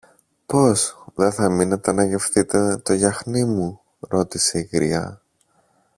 Πώς; Δε θα μείνετε να γευθείτε το γιαχνί μου; ρώτησε η γριά.